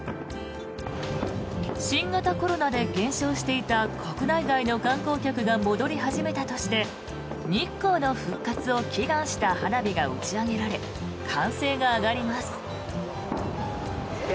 新型コロナで減少していた国内外の観光客が戻り始めたとして日光の復活を祈願した花火が打ち上げられ歓声が上がります。